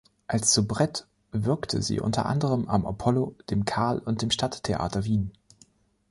Als Soubrette wirkte sie unter anderem am Apollo-, dem Carl- und dem Stadttheater Wien.